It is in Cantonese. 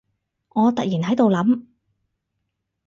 我突然喺度諗